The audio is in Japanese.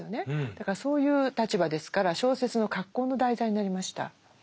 だからそういう立場ですから小説の格好の題材になりました。